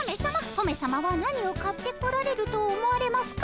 トメさまは何を買ってこられると思われますか？